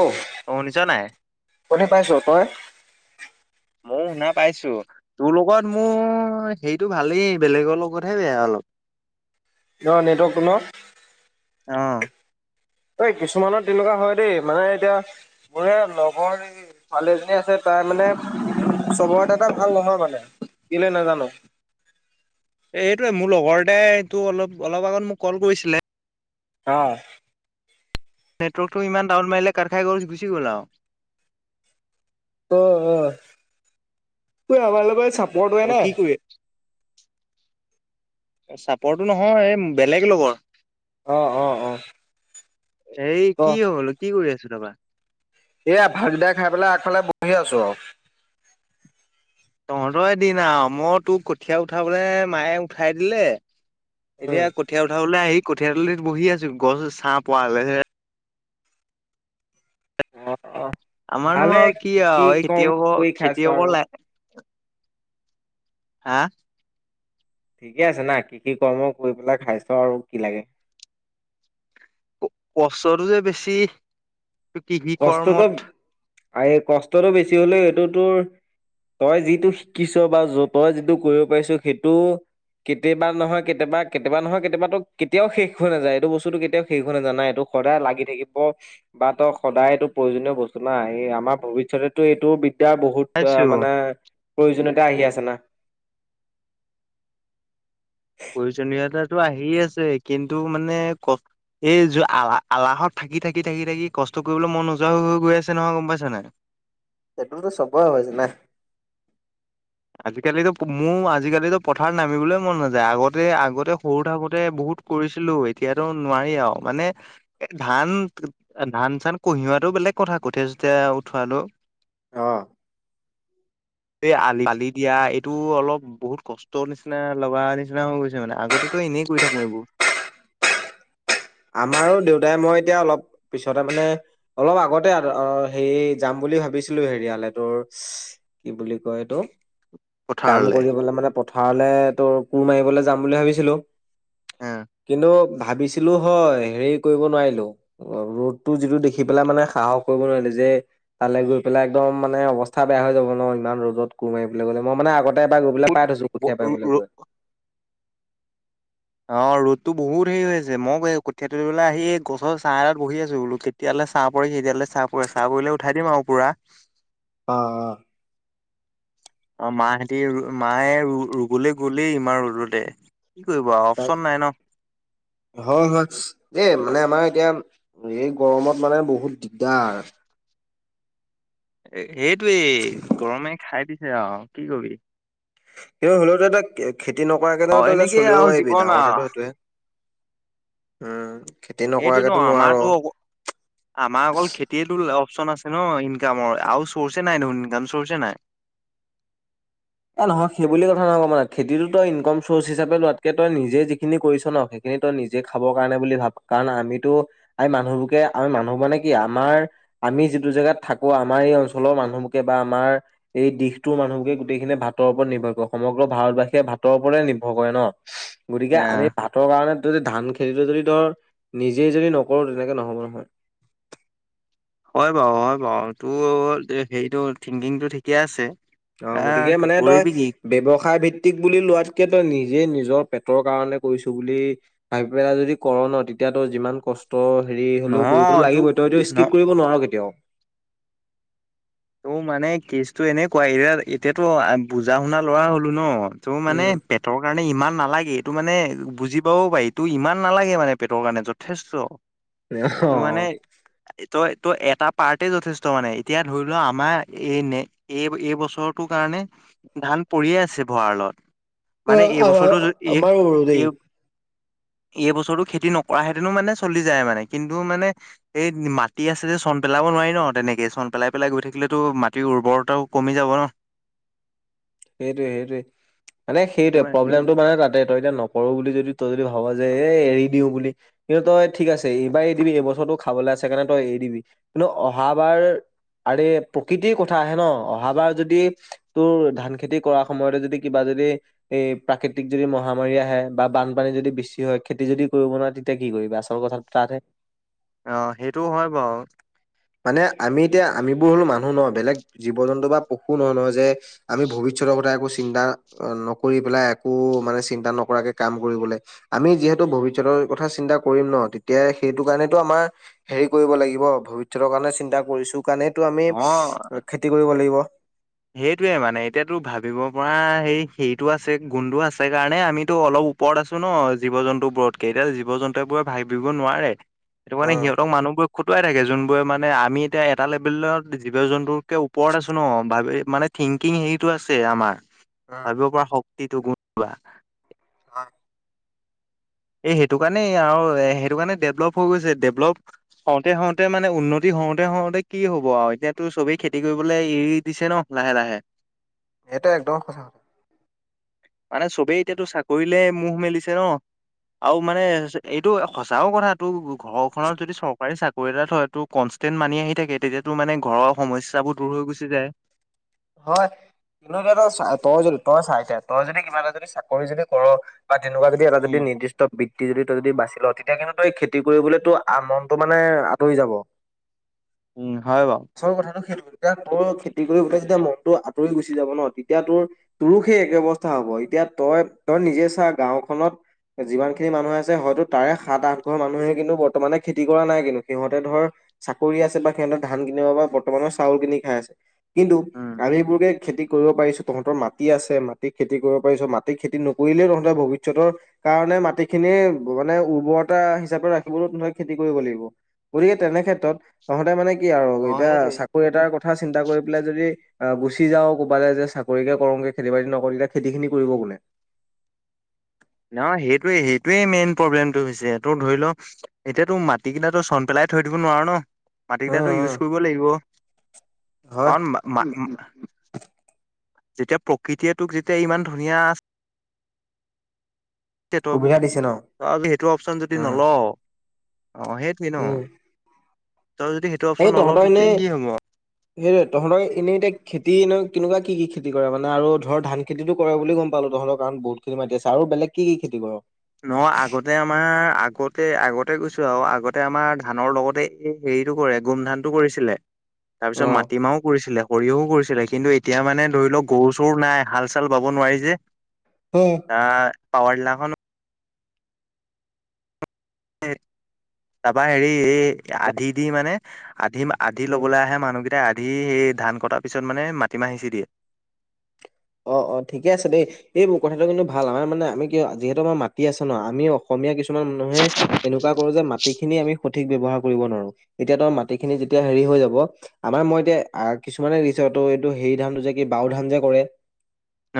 অ' শুনিছ নাই শুনি পাইছ তই? [unintelligible] শুনা পাইছো তোৰ লগত মোৰ হেইটো ভালেই বেলেগৰ লগতহে বেয়া অলপ। [inaudible] ন' নেটৱৰ্ক টো ন'? অ '। ঐ কিছুমানৰ তেনেকুৱা হয় দেই মানে এতিয়া মোৰে লগৰ ছোৱালী এজনী আছে তা তাই মানে চবৰ টাটা ভাল নহয় মানে কেলে নাজানো। এই এইটোৱে মোৰ লগৰ এটাই টো অলপ অলপ আগত মোক কল কৰিছিলে। অ', নেটৱৰ্কটো ইমান ডাউন মাৰিলে কাত খাই গল গুচি গল আৰু। অ', অ', তোৰ আমাৰ লগত চাপ কি কৰি আছ চাপৰটো নহয় এই বেলেগ লগৰ। অ', অ', অ', হেৰি অ', কি হল কি কৰি আছ তাৰপা এয়া ভাত কিতা খাই পেলাই আগফালে বহি আছো আৰু। তহঁতৰ এ দিন আৰু মই তোক কঠীয়া উঠাবলৈ মায়ে উঠাই দিলে এতিয়া উম। কঠীয়া উঠাবলৈ আহি কঠীয়া তলিত বহি আছো গছ ছাহ পোৱা অ', অ', আমাৰনো ভালে আৰু কি কৃষি আৰু এই কম খেতিয়কৰ কৰি খাইছো খেতিয়কৰ আৰু হাঁ ঠিকে আছে না কৃষি কৰ্ম কৰি পেলাই খাইছ আৰু কি লাগে। কষ্টটো যে বেছি কৃষি কৰ্মত। আৰে কষ্টটো বেছি হ'লেও এইটো তোৰ তই যিটো শিকিছ বা য তই যিটো কৰিব পাৰিছ সেইটো কেতিয়াবা নহয় কেতিয়াবা কেতিয়াবা নহয় কেতিয়াবাতো কেতিয়াও শেষ হৈ নাযায় এইটো বস্তুটো কেতিয়াও শেষ হৈ নাযায় না এইটো। সদায় লাগি থাকিব বা ত সদায় এইটো প্ৰয়োজনীয় বস্তু না এই আমাৰ ভৱিষ্যতেটো এইটো ইয়াৰ বহুত পাইছো অ', মানে প্ৰয়োজনীয়তা আহি আছে না। টো আহি আছে কিন্তু মানে ক এই য আল আলাহত থাকি থাকি থাকি থাকি কষ্ট কৰিবলৈ মন নোযোৱা হৈ হৈ গৈ আছে নহয় গম পাইছ নে। সেইটোতো চবৰে হৈছে না আজিকালিতো মোৰ আজিকালিতো পথাৰত নামিবলৈ মন নাযায় আগতে আগতে সৰু থাকোতে বহুত ত কৰিছিলো এতিয়াতো নোৱাৰি আৰু মানে এ ধান ধান চান কহিওৱাতো বেলেগ কথা কঠীয় চঠীয়া উঠোৱাটো অ, এই আলি আলি দিয়া এইটো অলপ বহুত কষ্টৰ নিচিনা লগা নিচিনা হৈ গৈছে মানে আগতে ত এনেই কৰি থাকো এইবোৰ। আমাৰো দেউতাই মই এতিয়া অলপ পিছতে মানে অলপ আগতে হে যাম বুলি ভাবিছিলো হেৰিয়ালে তোৰ কি বুলি কয় ইটো কাম পথাৰলে। কৰিবলে মানে পথাৰলে তোৰ কোৰ মাৰিবলৈ যাম বুলি ভাবিছিলো। কিন্তু ভাবিছিলো হয় হেৰি কৰিব নোৱাৰিলো ৰ'দটো যিটো দেখি পেলাই মানে সাহস কৰিব নোৱাৰিলো যে তালে গৈ পেলায় একদম মানে অৱস্থা বেয়া হৈ যাব ন ইমান ৰ'দত কোৰ মাৰিবলৈ গ'লে মই মানে আগতে তে এবাৰ গৈ পেলে পাই থৈছো কঠিয়া পাৰিবলে গৈ। অঁ ৰ'দতো বহুত হেৰি হৈ আছে মই কঠীয়া তুলিবলে আহি এই গছৰ ছাঁ এটাত বহি আছো বোলো কেতিয়ালে ছাঁ পৰে কেতিয়ালৈ ছাঁ পৰে ছাঁ পৰিলে উঠাই দিম আৰু পুৰা। অ', অ', অঁ মাহেতি মায়ে ৰুবলৈ গলেই ইমান ৰদতে। কি কৰিব আৰু তাক অপচন নাই ন হয় হয় এই মানে আমাৰ এতিয়া এই গৰমত মানে বহুত দিগদাৰ। এটোৱেই গৰমে খাই দিছে আৰু কি কবি। কিন্তু হ'লেও যে তই খেতি নকৰাকে জানো অ' তই এনেকেই চলিব আৰু পাৰিবি জীৱন ডাঙৰ আৰু কথাটো সেইটোৱেই। উম, খেতি সেইটোতো নকৰাকেতো নোৱাৰ। আমাৰতো আমাৰ অকল খেতিয়েতো অপচন আছে ন ইনকামৰ আৰু চৰ্ছে নাই ন ইনকাম চৰ্ছে নাই। এ নহয় সেই বুলি কথা নহব মানে খেতিতো তই ইনকম চৰ্চ হিচাপে লোৱাতকে তই নিজে যিখিনি কৰিছ ন সেইখিনি নিজে খাবৰ কাৰণে বুলি ভাব কাৰণ আমিতো আমি মানুহবোৰে আমি মানুহ মানে কি আমাৰ আমি যিটো জেগাত থাকো আমাৰ এই অঞ্চলৰ মানুহকে বা আমাৰ এই দিশটোৰ মানুহবোৰে গোটেইখিনি ভাতৰ ওপৰত নিৰ্ভৰ কৰে সমগ্ৰ ভাৰতবাসীয়ে ভাতৰ ওপৰে নিভৰ কৰে ন গতিকে আমি এ ভাতৰ কাৰণে দি ধান খেতি যদি ধৰ নিজে যদি নকৰো তেনেকে নহব নহয় হয় বাৰু হয় বাৰু তোৰ হেৰিটো থিংকিংটো ঠিকে আছে অঁ আহ গতিকে মানে তই কৰিবি কি ব্যৱসায় ভিত্তিক বুলি লোৱাত কে তই নিজে নিজৰ পেটৰ কাৰনে কৰিছো বুলি ভাবি পেলাই যদি কৰ ন তেতিয়া তই যিমান ক কষ্ট হেৰি হ'লেও কৰিবতো নহয় তোৰ লাগিবই তইতো ন স্কিপ কৰিব নোৱাৰ কেতিয়াও তোৰ মানে কেচতটো এনেকুৱা এতিয়া এতিয়াতো বুজা শুনা লৰা হলো ন টো মানে উম পেটৰ কাৰণে ইমান নাল নালাগে এইটো মানে বুজি পাব পাৰি তোৰ ইমান নালাগে মানে পেটৰ কাৰণে যথেষ্ট ত মানে তই তই এটা পাৰ্টেই যথেষ্ট মানে এতিয়া ধৰি আমাৰ এই ন এই এই বছৰটোৰ কাৰণে ধান পৰিয়ে আছে ভঁৰালত অ মানে অ এইবছৰটো যেদি এই আমাৰ আমাৰো দেই এই এই বছৰটো খেতি নকৰা হেতেনো মানে চলি যায় মানে কিন্তু মানে এই মাটি আছে যে চ পেলাব নোৱাৰি ন তেনেকে, চন পেলাই পেলাই গৈ থাকিলেতো মাটিৰ উৰ্বৰতাও কমি যাব ন! সেইটোৱে, সেইটোৱে মানে সেইটো সেইটোৱে মানে প্ৰব্লেমটো মানে তাতে তই এতিয়া নকৰো বুলি যদি তই যদি ভাব যে এ, এৰি দিও বুলি, কিন্তু তই ঠিক আছে এইবাৰ এৰিদিবি এইবছৰটো খাবলৈ আছে কাৰণে তই এৰি দিবি, কিন্তু অহাবাৰ আৰে প্ৰকৃতিৰ কথা আহে ন! অহাবাৰ যদি তোৰ ধানখেত খেতি কৰা সময়তে যদি কিবা যদি এই প্ৰাকৃতিক যদি মহামাৰী আহে বা বানপানী যদি বেছি হয় খেতি যদি কৰিব নোৱাৰে তেতিয়া কি কৰিবি আচল কথাটো তাত হে অঁ সেইটোও হয় বাৰু মানে আমি এতিয়া আমিবোৰ হলো মানুহ ন বেলেগ জীৱ জন্তু বা পশু নহয় নহয় যে আমি ভৱিষ্য কথা একো চিন্তা নকৰি পেলাই একো মানে চিন্তা নকৰাকে কাম কৰিবলৈ আমি যিহেতু ভৱিষ্যতৰ কথা চিন্তা কৰিম ন তেতিয়া সেইটো কাৰণেতটো আমাৰ হেৰি কৰিব লাগিব ভৱিষ্যতৰ লৈ, চিন্তা কৰিছো কাৰণেইটো আমি, অ খেতি কৰিব লাগিব। সেইটোয়ে মানে এতিয়াতো ভাবিব পৰা সেই হেৰিটো আছে গুণটো আছে কাৰণে আমিতো অলপ ওপৰত আছো ন জীৱ জন্তু বোৰতকে, এতিয়া জীৱ জন্তুৱে বোৰে ভাবিব নোৱাৰে। সেইটো মানে উম সিহঁতক মানুহবোৰ খুদ উটাই থাকে জোনবোৰে মানে আমি এতিয়া এটা লেভেলত জীৱ জন্তুতকে ওপৰত আছো ন, ভাবে মানে থিংকিং হেৰিটো আছে আমাৰ। উম ভাবিব পৰা শক্তিটো [unintelligible] হয়। এই সেইটো কাৰণে আৰু সেইটো কাৰণে ডেভলপ হৈ গৈছে, ডেভলপ হওঁতে হওঁতে মানে উন্নতি হওঁতে, হওঁতে কি হব আৰু এতিয়াতো চবেই খেতি কৰিবলৈ এৰি দিছে নহ লাহে লাহে। এটা একদম সঁচা। মানে চবেই এতিয়াতো চাকৰিলে মোহ মেলিছে ন! আও মানে এইটো সঁচাও কথাটো ঘৰখনত যদি চৰকাৰী চাকৰি এটা থয় তো কনচ ষ্টেণ্ড মানি আহি থাকে তেতিয়াতো মানে ঘৰৰ সমস্যাবোৰ দূৰ হৈ গুচি যায়। হয়, কিন্তু তই চা তই যদি, তই চা এতিয়া, তই যদি কিবা এটা যদি চাকৰি যদি কৰ বা তেনেকুৱা যদি এটা যদি উম নিৰ্দিষ্ট বৃত্তি যদি তই যদি বাচি লৱ তেতিয়া কিন্ত তই খেতি কৰিবলৈতো আমনটো মানে আঁতৰি যাব। উম হয় বাও। আচল কথাটো সেইটো এতিয়া তয়ো খেতি কৰি উঠাইছিল। য়া, মনতটো আঁতৰি গুচি যাব ন, তেতিয়া তোৰ তোৰো সেই একে অৱস্থা হব এতিয়া তই, তই নিজে চা গাঁওখনত যিমান খিনি মানুহ আছে হয়তো তাৰে সাত আঠ ঘৰ মানুহে কিন্তু বৰ্তমানে খেতি কৰা নাই কিন্তু, সিহঁতে ধৰ চাকৰি আছে বা সিহঁতৰ ধান কিনিব বা বৰ্তমানৰ চাউল কিনি খাই আছে। কিন্তু আম বোৰে খেতি কৰিব পাৰিছো তহঁতৰ মাটি আছে, মাটিত খেতি কৰিব পাৰিছ মাটিত খেতি নকৰিলেও তহঁতে বহুত ভৱিষ্যতৰ কাৰণে মাটিখিনি মানে উৰ্বৰতা হিচাপে ৰাখিবলৈ কোনোবাই খেতি কৰিব লাগিব। গতিকে তেনে ক্ষেত্ৰত, তহঁতে মানে কি আৰু অ এতিয়া সেইটোৱে চাকৰি এটাৰ কথা চিন্তা কৰি পেলাই যদি অ', গুচি যাৱ ক'বালে যে চাকৰিকে কৰোংগে খেতি বাতি নকৰিলে খেতি খিনি কৰিব কোনে! নহ সেইটোৱে, সেইটোৱে মেইন প্ৰব্লেমটো হৈছে তোৰ ধৰি ল, এতিয়াতো মাটি কিটাটো চন পেলাই থৈ দিব নোৱাৰো ন! মাটি উম কিটাটো ইউজ উম কৰিব লাগিব। হয়। কাৰণ মা- মা যেতিয়া প্ৰকৃতিয়ে তোক যেতিয়া ইমান ধুনীয়া তিয়া তই বো, সুবিধা দিছে ন সেইটো অপচন যদি উম। নলৱ অ', সেইটোৱে ন! তই যদি সেইটো অপচন সেই নলও তহঁতৰ তেতিয়া এনেই, কি হব সেই তহঁতৰ এনেই এতিয়াক খেতি নো কেনেকোৱা কি কি খেতি কৰে মানে আৰু ধৰ ধান খেতিটো কৰে বুলি গম পালো তহঁৰ কাৰণ বহুত খিনি মাটি আছে আৰু বেলেগ কি কি খেতি কৰ? নয় আগতে আমাৰ, আগতে আগতে গৈছো আৰু আগতে আমাৰ ধানৰ লগতে এই হে হেৰিটো কৰে গোমধান টো কৰিছিলে, অ তাৰপিছত মাটিমাহও কৰিছিলে। সৰিয়হো কৰিছিলে কিন্তু এতিয়া মানে ধৰি ল' লওক গৰু চৰু নাই হাল চাল বাব নোৱাৰি যে হয়। [unintelligible] তাপা হেৰি এই আধি দি মানে আধিম আধি উম। লবলৈ আহে মানুহকেই তে আধি সেই ধান কটা পিছত মানে মাটিমাহ সিঁচি দিয়ে অঁ ঠিকে আছে দেই এই মোৰ কথাটো কিন্তু ভাল নহয় আমাৰ মানে আমি কিয় যিহেতু আমাৰ মাটি আছে ন আমি অসমীয়া কিছু কিছুমান মানুহে এনেকুৱা কৰো যে মাট মাটিখিনি আমি সঠিক ব্যৱহাৰ কৰিব নোৱাৰো। এতিয়া ত' মাটিখিনি যেতিয়া হেৰি হৈ যাব, আমাৰ মই এতিয়া আগ কিছুমানে ৰিচতো এইটো হেৰি ধানটো যে কি বাওঁধানটো যে কৰে।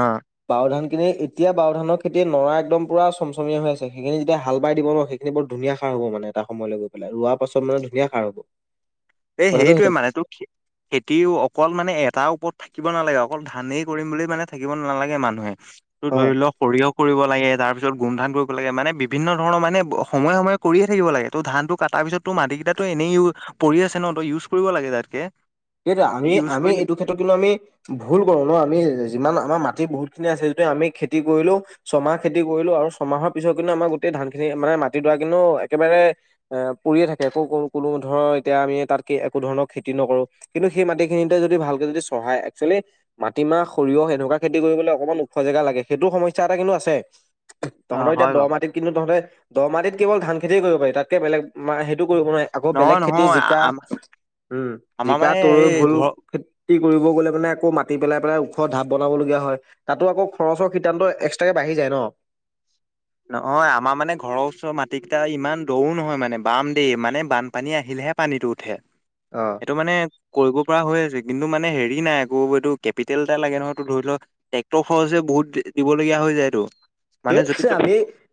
অ বাওঁধান এ, এতিয়া বাওঁধানৰ খেতি নৰা একদম পুৰা চমচমীয়া হৈ আছে। সেইখিনি যেতিয়া হাল বাই দিব ন সেইখিনি বৰ ধুনীয়া সাৰ হব মানে এটা সময়লৈ গৈ পেলাই, ৰোৱাৰ পাছত মানে ধুনীয়া সাৰ হ'ব। এ কথাটো হেইটোৱে সেইটো মানে তোৰ খে খেতিও অকল মানে এট তাৰ ওপৰত থাকিব নালাগে অকল ধানেই কৰিম বুলি মানে থাকিব নালাগে মানুহে তো অ ধৰি লওক সৰিয়হ কৰিব লাগে তাৰপিছত গোমধান কৰিব লাগে মানে বিভিন্ন ধৰণৰ মানে সময়ে সময়ে কৰিয়ে থাকিব লাগে ত' ধানটো কাটাৰ পিছতো মাটি কেইটাটো এনেই ইউ পৰি আছে ন ত' ইউজ কৰিব লাগে তাতকে তাকেটো এই আমি ইউজ আমি কৰিলে এইটো ক্ষেত্ৰত কিন্তু আমি ভুল কৰো ন আমি যিমান আমাৰ মাটি বহুত যিখিনি আছে যিটো আমি খেতি কৰিলো ছমাহ খেতি কৰিলো আৰু ছয়মাহৰ পিছত কিন্তু আমাৰ গোটেই ধান খিনি মানে মাটি দৰা কিন্তু একেবাৰে এ পৰিয়ে থাকে একো কো কোনো ধৰক এতিয়া আমি তাত একো ধৰণৰ খেতি নকৰো কিন্তু সেই মাটিখিনিতে যদি ভালকে যদি চহাই এক্সুৱেলি মাটিমাহ সৰিয়হ এনেকুৱা খেতি কৰিবলৈ অকণমান ওখ জেগা জেগা লাগে সেইটো সমস্যা এটা কিন্তু আছে অ তহঁতৰ এতিয়া হয় দ বাৰু মাটিত কিন্তু তহঁতে দ মাটিত কেৱল ধান খেতিয়ে কৰিব পাৰি তাতকে বেলেগ মাহ টো কৰিব নোৱাৰে আকৌ নহয় বেলেগ খেতি নহয় জিকা আম উম আমাৰ জিকা মানে তৰৈ এই ভুল ঘৰ খেত খেতি কৰিব গলে আকৌ মাতি পেলাই পেলাই ওখ ঢাপ বনাবলগীয়া হয় তাতো আকৌ খৰচৰ সিদ্ধান্ত এক্সট্ৰাকে বাঢ়ে আহি যায় ন নহয় আমাৰ মানে ঘৰৰ ওচৰৰ মাটি কিটা ইমান দৌও নহয় মানে বাম দেই মানে বানপানী আহিলে হে পানীটো উঠে অ'। সেইটো মানে কৰিব পৰা হৈ আছে কিন্তু মানে হেৰি নাই আকৌ এইটো কেপিটেল এটা লাগে নহয়ো ধৰি লও ট্ৰেক্টৰ খৰচে বহুত বেছি দি দিবলগীয়া হয় হৈ যায় তো এইছে আমি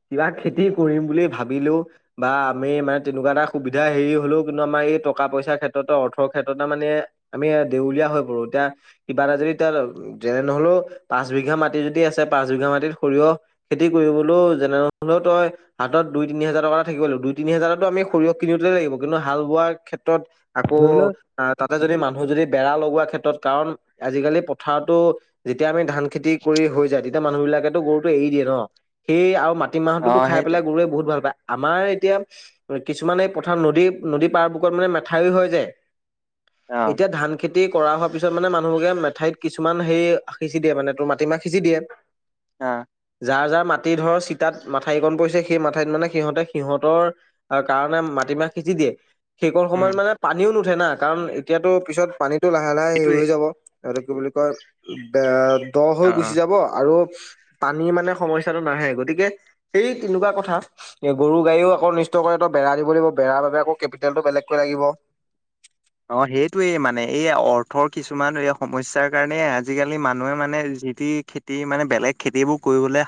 কিবা খেতি কৰিম বুলি ভাবিলেও বা আমি মানে তেনেকুৱা এটা সুবিধা হেৰি হলেও কিন্তু আমাৰ এই টকা পইচা ক্ষেত্ৰত অৰ্থৰ ক্ষেত্ৰত মানে আমি দেউলীয়া হৈ পৰো এতিয়া কিবা এটা যদি তেওঁ যেনে নহলেও পাঁচ বিঘা মাটি যদি আছে পাঁচ বিঘা মাটিত সৰিয়হ খেতি কৰিবলৈও যেনেহলেও তই হাতত দুই তিনি হাজাৰ টকা থাকিবল দুই তিনি হাজাৰতো আমি সৰিয়হ কিনি কিন্তু হাল বোৱাৰ ক্ষেত্ৰত আকৌ ধৰি লও তাতে যদি মানুহ যদি বেৰা লগোৱা ক্ষেত্ৰত কাৰণ আজিকালি পথাৰতো যেতিয়া আমি ধান খেতি কৰি হৈ যায় তেতিয়া মানুহ বিলাকে গৰুটো এৰি দিয়ে ন সেই আৰু অ মাটিমাহতোতো খাই সেইটোৱে পেলাই আমাৰ এতিয়া কিছুমান এই পথাৰ নদী নদী পাৰ বুকত মানে মেঠাওৰী হৈ যায় অ এতিয়া ধান খেতি কৰা হোৱা পিছত মানে মানুহকে মেঠাইত কিছুমান সেই সিঁচি দিয়ে মানে তোৰ মাটিমাহ সিঁচি দিয়ে অঁ যাৰ যাৰ মাটি ধৰ চিতাত মাথাইকণ পৰিছে সেই মাথাইত মানে সিহঁতে সিহঁতৰ কাৰণে মাটিমাহ সিচি দিয়ে সেইকন উম সময়ত মানে পানীও নুঠে না কাৰণ এতিয়াতো পিছত পানীতটো লাহে লাহে হেৰি সেইটোৱে হৈ যাব আৰু কি বুলি কয় বে দ হৈ অ অ গুচি যাব আৰু পানী মানে সমস্যাটো নাহে গতিকে সেই তেনেকুৱা কথা এ গৰু গাইয়েও আকৌ অনিষ্ট কৰে বেৰা দিব লাগিব বেৰাৰ লগাই আকৌ কেপিটেলটো বেলেগকৈ লাগিব [inaudible] অঁ সেইটোয়েই মানে এই অৰ্থৰ কিছুমান এই সমস্যাৰ কাৰণে আজিকালি মানুহে মানে যি তি খেতি মানে বেলেগ খেতি বোৰ কৰিবলে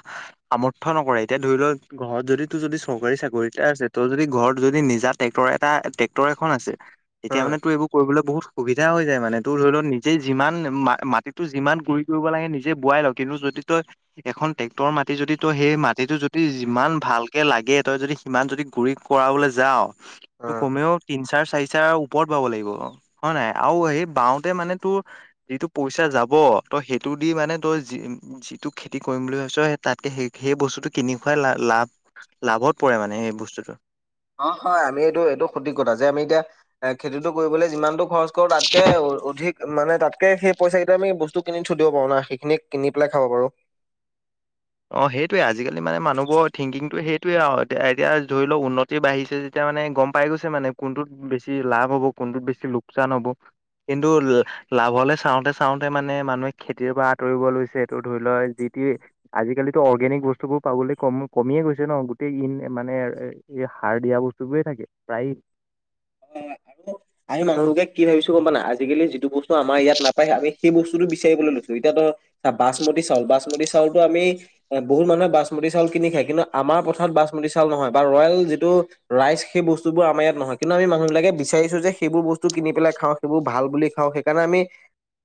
সামৰ্থ নকৰে এতিয়া ধৰি লও ঘৰত যদি তো যদি যদি চৰকাৰী চাকৰি এটা আছে ত যদি ঘৰত যদি নিজা ট্ৰেক্টৰ এটা ট্ৰেক্টৰ এখন আছে। তেতিয়া উম মানে তো এইবোৰ কৰিবলৈ বহুত সুবিধা হৈ যায় মানে তোৰ ধৰি লওক নিজে যিমান মাটিতো যিমান গুৰি কৰিব লাগে নিজে বোৱাই ল কিন্তু যদি‌ য তই এখন ট্ৰেক্টৰৰ মাটি যদি তই সেই মাটিটো যদি যিমান ভালকে লাগে তই যদি সিমান যদি গুৰি কৰাবলৈ যাওঁ উম। কমেও তিন চাৰ চাৰি চাৰ ওপৰত পাব লাগিব হয় না নাই আৰু সেই বাওঁতে মানে তোৰ যিটো পইচা যাব তই সেইটো [unintelligible] লাভত পৰে মানে হেই বস্তুটো অ' হয় আমি এইটো এইটো সঠিক কথা যে আমি এতিয়া এ খেতিটো কৰিবলৈ যিমানতটো খৰচ কৰো তাতকে অধিক মানে তাতকে সেই পইচা কেইটা আমি বস্তু কিনি থৈ দিব পাৰো না সেইখিনি কিনি পেলাই খাব পাৰো। [inaudible] অ' সেইটোৱে আজিকালি মানে মানুহবোৰ থিংকিংটো সেইটোৱে আৰু এতিয়া এতিয়া ধৰি লওক উন্নতি বাঢ়িছে যেতিয়া মানে গম পাই গৈছে মানে কোনটোত বেছি লাভ হ'ব কোনটোত বেছি লোকচান হব। কিন্তু লাভলে চাওঁতে চাওঁতে মানে মানুহে খেতিৰ পৰা আঁতৰিব লৈছে এইটো ধৰি লও যি ে [unintelligible] আজিকালিতো অৰ্গেনিক বস্তু বোৰ পাবলৈ কম কমিয়ে গৈছে ন গোটেই ইন মানে এ এই সাৰ দিয়া বস্তু। চবে থাকে প্ৰায়ে। অ', আৰু আমি মানুহবোৰে কি ভাবিছো গম পানা আজিকালি যি যিটো বস্তু আমাৰ ইয়াত নাপায় আম সেই বস্তুটো বিচাৰিব লো এতিয়া তো বাচমতি চাউল, বাচমততি চাউলতো আমি বহুত মানুহে বাচমতি চাউল কিনি খায় কিন্তু আমাৰ পথাৰত বাচমতি চউল নহয় বা ৰয়েল যিটো ৰাইচ সেই বস্তুবোৰ আমাৰ ইয়াত নহয়। কিন্তু আমি মানুহ বিলাকে বিচাৰিছো যে সেইবোৰ বস্তু কিনি পেলাই খাওঁ সেইবোৰ ভাল বুলি খাওঁ সেইকাৰণে আমি